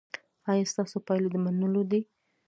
ایا ستاسو پایلې د منلو دي؟